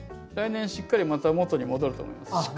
来年しっかりまた元に戻ると思います。